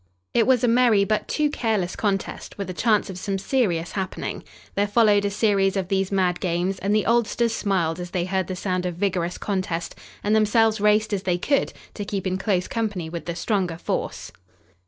It was a merry but too careless contest, with a chance of some serious happening. There followed a series of these mad games and the oldsters smiled as they heard the sound of vigorous contest and themselves raced as they could, to keep in close company with the stronger force.